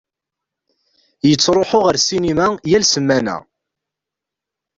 Yettṛuḥu ar ssinima yal ssmana.